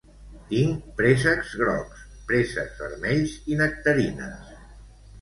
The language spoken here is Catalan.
Tinc préssecs grocs, préssecs vermells i nectarines